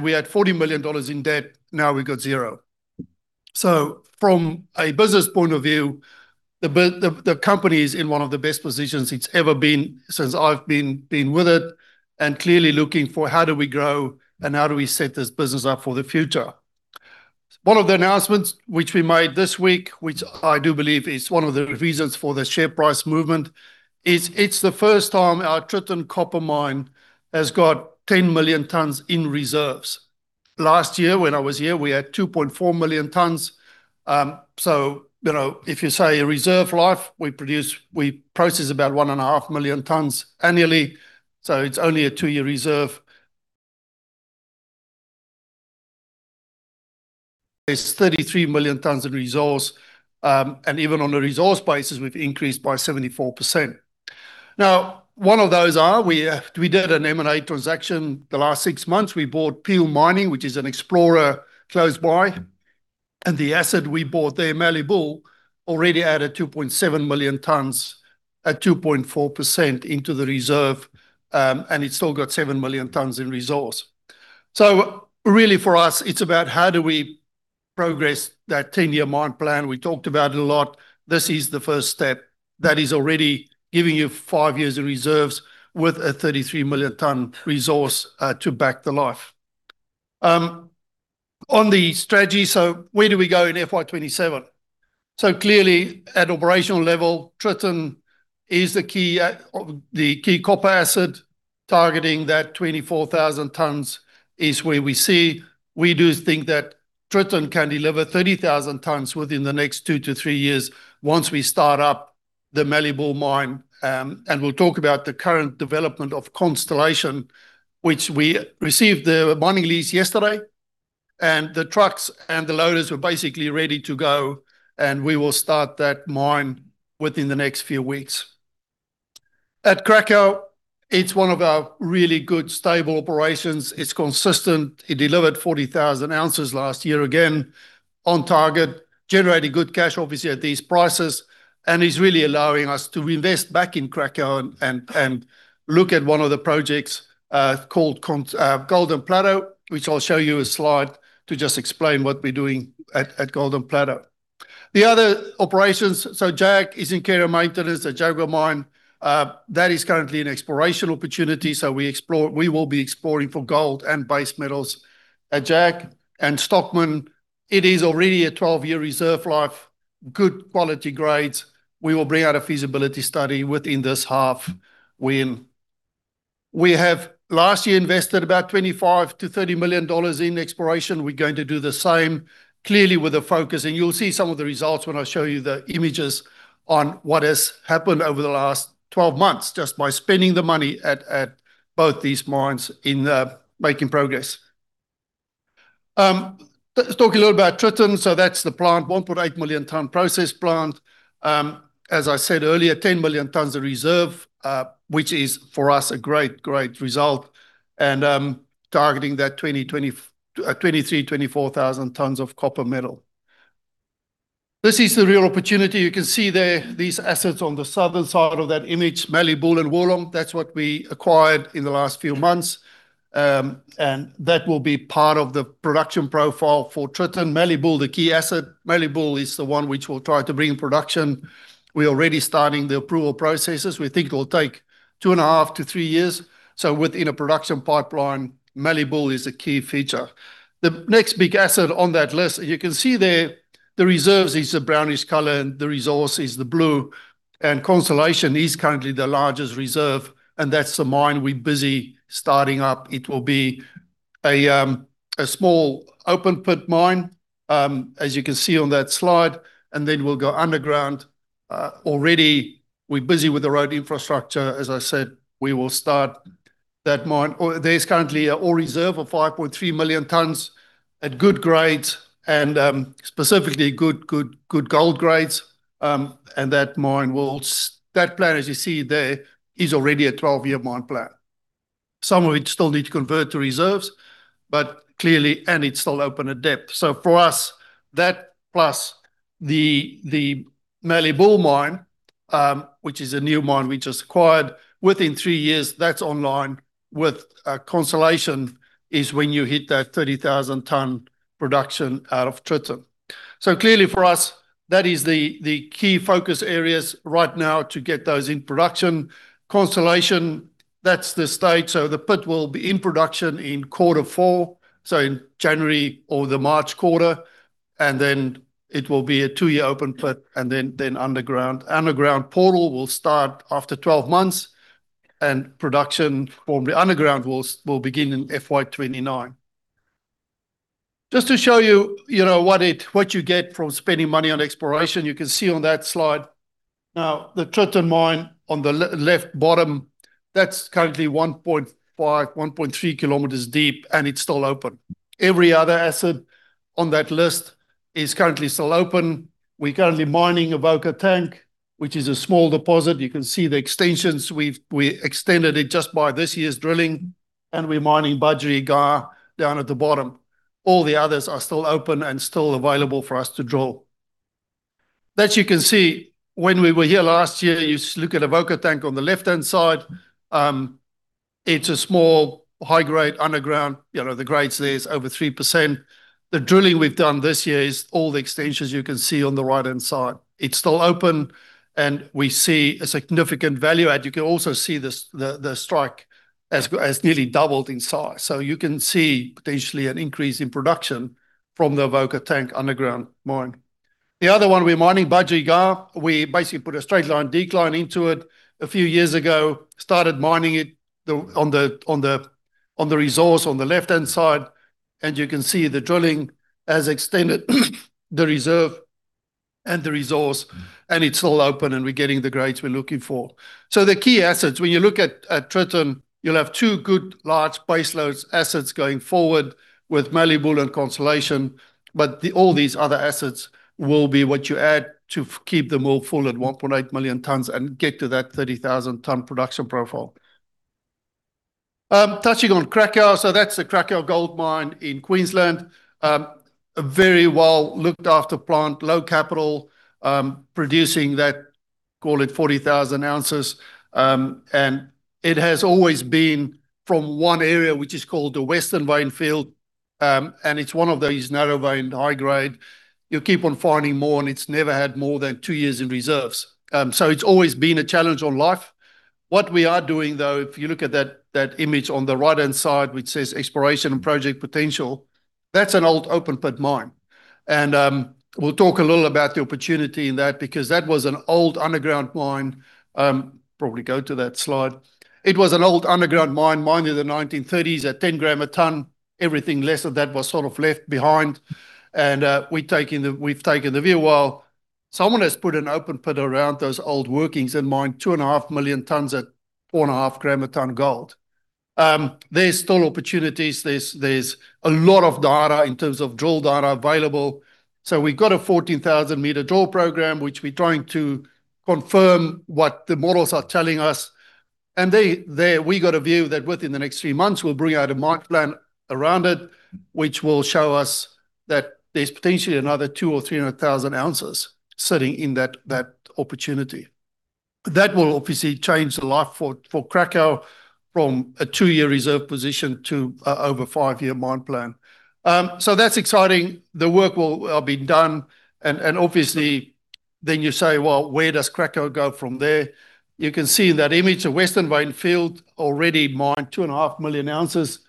We had 40 million dollars in debt, now we've got zero. From a business point of view, the company is in one of the best positions it's ever been since I've been with it and clearly looking for how do we grow and how do we set this business up for the future? One of the announcements which we made this week, which I do believe is one of the reasons for the share price movement, is it's the first time our Tritton copper mine has got 10 million tons in reserves. Last year when I was here, we had 2.4 million tons. If you say a reserve life, we produce, we process about one and a half million tons annually, so it's only a two-year reserve. There's 33 million tons of resource, even on a resource basis we've increased by 74%. One of those are we did an M&A transaction the last six months. We bought Peel Mining, which is an explorer close by. The asset we bought there, Mallee Bull, already added 2.7 million tons at 2.4% into the reserve, it's still got 7 million tons in resource. Really for us, it's about how do we progress that 10-year mine plan. We talked about it a lot. This is the first step that is already giving you five years of reserves with a 33-million-ton resource to back the life. On the strategy, where do we go in FY 2027? Clearly at operational level, Tritton is the key copper asset. Targeting that 24,000 tons is where we see. We do think that Tritton can deliver 30,000 tons within the next two to three years once we start up the Mallee Bull mine. We'll talk about the current development of Constellation, which we received the mining lease yesterday, the trucks and the loaders were basically ready to go, we will start that mine within the next few weeks. At Cracow, it's one of our really good stable operations. It's consistent. It delivered 40,000 ounces last year, again, on target, generating good cash obviously at these prices, is really allowing us to reinvest back in Cracow and look at one of the projects, called Golden Plateau, which I'll show you a slide to just explain what we're doing at Golden Plateau. The other operations, Jaguar is in care and maintenance at Jaguar Mine. That is currently an exploration opportunity. We will be exploring for gold and base metals at Jaguar. Stockman, it is already a 12-year reserve life, good quality grades. We will bring out a feasibility study within this half. We have last year invested about 25 million-30 million dollars in exploration. We're going to do the same clearly with a focus, you'll see some of the results when I show you the images on what has happened over the last 12 months just by spending the money at both these mines in making progress. Let's talk a little about Tritton. That's the plant, 1.8 million ton process plant. As I said earlier, 10 million tons of reserve, which is, for us, a great result targeting that 23,000, 24,000 tons of copper metal. This is the real opportunity. You can see there these assets on the southern side of that image, Mallee Bull and Wirlong. That's what we acquired in the last few months. That will be part of the production profile for Tritton. Mallee Bull, the key asset. Mallee Bull is the one which we'll try to bring in production. We're already starting the approval processes. We think it'll take two and a half to three years. Within a production pipeline, Mallee Bull is a key feature. The next big asset on that list, you can see there the reserves is the brownish color and the resource is the blue, Constellation is currently the largest reserve, and that's the mine we're busy starting up. It will be a small open pit mine, as you can see on that slide, and then we'll go underground. Already we're busy with the road infrastructure. As I said, we will start that mine. There's currently an ore reserve of 5.3 million tons at good grades and, specifically good gold grades. That plan, as you see there, is already a 12-year mine plan. Some of it still need to convert to reserves, clearly, it's still open at depth. For us, that plus the Mallee Bull mine, which is a new mine we just acquired, within three years, that's online with Constellation is when you hit that 30,000 ton production out of Tritton. Clearly for us, that is the key focus areas right now to get those in production. Constellation, that's the stage. The pit will be in production in quarter four, so in January or the March quarter, and then it will be a two-year open pit and then underground. Underground portal will start after 12 months, and production from the underground will begin in FY 2029. Just to show you what you get from spending money on exploration. You can see on that slide. The Tritton mine on the left bottom, that's currently 1.5, 1.3 km deep, and it's still open. Every other asset on that list is currently still open. We're currently mining Avoca Tank, which is a small deposit. You can see the extensions. We extended it just by this year's drilling, and we're mining Budgerygar down at the bottom. All the others are still open and still available for us to drill. You can see when we were here last year, you look at Avoca Tank on the left-hand side. It's a small high-grade underground. The grade's there is over 3%. The drilling we've done this year is all the extensions you can see on the right-hand side. It's still open, and we see a significant value add. You can also see the strike has nearly doubled in size. You can see potentially an increase in production from the Avoca Tank underground mine. The other one, we're mining Budgerygar. We basically put a straight line decline into it a few years ago, started mining it on the resource on the left-hand side. You can see the drilling has extended the ore reserve and the resource, and it's all open and we're getting the grades we're looking for. The key assets, when you look at Tritton, you'll have two good large base load assets going forward with Mallee Bull and Constellation, all these other assets will be what you add to keep the mill full at 1.8 million tons and get to that 30,000 ton production profile. Touching on Cracow. That's the Cracow gold mine in Queensland. A very well-looked-after plant, low capital, producing that, call it 40,000 ounces. It has always been from one area which is called the Western Vein Field. It's one of these narrow-veined high grade. You keep on finding more. It's never had more than two years in reserves. It's always been a challenge on life. What we are doing, though, if you look at that image on the right-hand side, which says Exploration and Project Potential, that's an old open pit mine. We'll talk a little about the opportunity in that, because that was an old underground mine. Probably go to that slide. It was an old underground mine, mined in the 1930s at 10 grams a tonne. Everything less of that was sort of left behind. We've taken the view, well, someone has put an open pit around those old workings and mined 2.5 million tonnes at 2.5 grams a tonne gold. There's still opportunities. There's a lot of data in terms of drill data available. We got a 14,000 meter drill program which we're trying to confirm what the models are telling us. There we got a view that within the next three months, we'll bring out a mine plan around it, which will show us that there's potentially another 200,000 or 300,000 ounces sitting in that opportunity. That will obviously change the life for Cracow from a two-year reserve position to over a five-year mine plan. That's exciting. The work will be done. Obviously then you say, well, where does Cracow go from there? You can see in that image a Western Vein Field already mined 2.5 million ounces.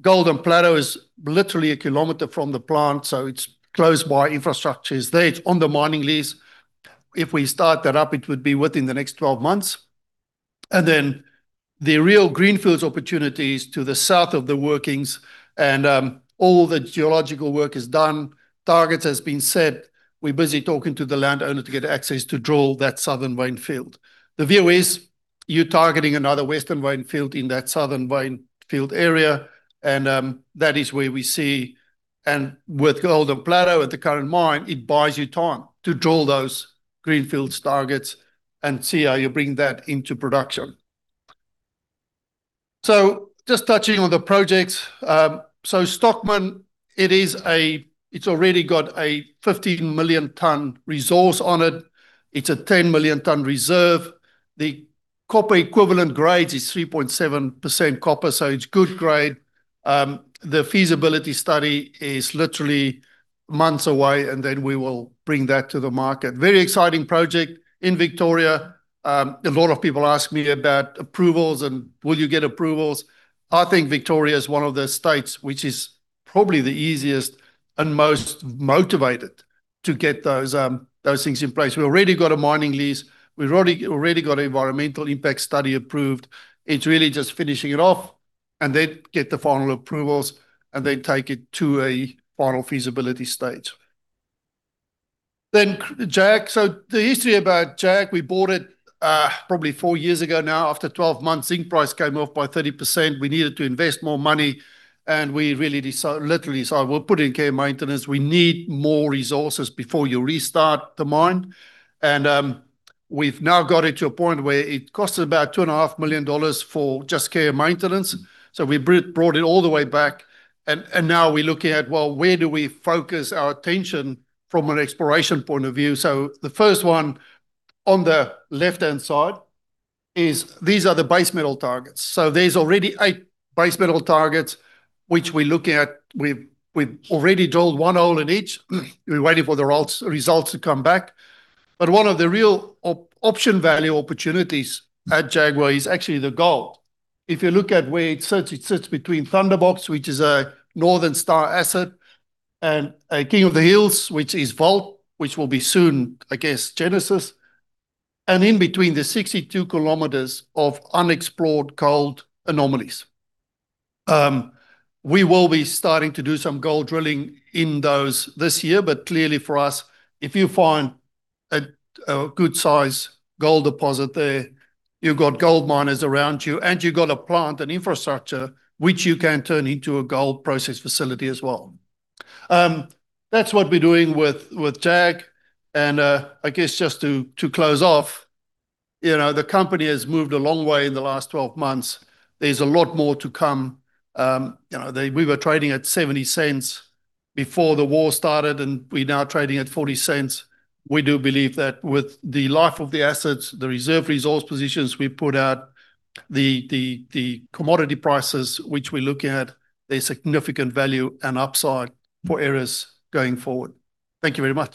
Golden Plateau is literally a kilometer from the plant, so it's close by. Infrastructure is there. It's on the mining lease. If we start that up, it would be within the next 12 months. The real greenfields opportunities to the south of the workings and all the geological work is done. Targets have been set. We're busy talking to the landowner to get access to drill that Southern Vein Field. The view is you're targeting another Western Vein Field in that Southern Vein Field area. That is where we see. With Golden Plateau at the current mine, it buys you time to drill those greenfields targets and see how you bring that into production. Just touching on the projects. Stockman it's already got a 15-million-tonne resource on it. It's a 10-million-tonne reserve. The copper equivalent grade is 3.7% copper, so it's good grade. The feasibility study is literally months away. Then we will bring that to the market. Very exciting project in Victoria. A lot of people ask me about approvals and will you get approvals? I think Victoria is one of the states which is probably the easiest and most motivated to get those things in place. We already got a mining lease. We already got an environmental impact study approved. It's really just finishing it off. Then get the final approvals. Then take it to a final feasibility stage. JAG. The history about JAG, we bought it probably four years ago now. After 12 months, zinc price came off by 30%. We needed to invest more money, we really literally said, "We'll put it in care and maintenance. We need more resources before you restart the mine." We've now got it to a point where it costs about 2.5 million dollars for just care and maintenance. We brought it all the way back, and now we're looking at, well, where do we focus our attention from an exploration point of view? The first one on the left-hand side is these are the base metal targets. There's already eight base metal targets which we're looking at. We've already drilled one hole in each. We're waiting for the results to come back. One of the real option value opportunities at Jaguar is actually the gold. If you look at where it sits, it sits between Thunderbox, which is a Northern Star asset, and King of the Hills, which is Vault, which will be soon, I guess, Genesis. In between, there's 62 kilometers of unexplored gold anomalies. We will be starting to do some gold drilling in those this year. Clearly for us, if you find a good size gold deposit there, you've got gold miners around you, and you've got a plant and infrastructure which you can turn into a gold process facility as well. That's what we're doing with JAG. I guess just to close off, the company has moved a long way in the last 12 months. There's a lot more to come. We were trading at 0.70 before the war started, and we're now trading at 0.40. We do believe that with the life of the assets, the reserve resource positions we put out, the commodity prices which we're looking at, there's significant value and upside for Aeris going forward. Thank you very much.